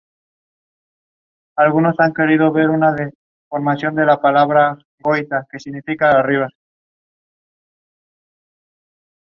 Sin embargo las alas son más gruesas y profundas.